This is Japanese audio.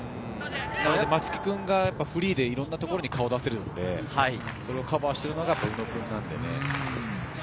松木君がフリーでいろんな所に顔を出せるので、それをカバーしてるのが宇野君なんで。